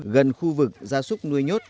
gần khu vực gia súc nuôi nhốt